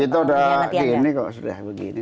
itu udah gini kok sudah gini